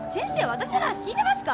私の話聞いてますか？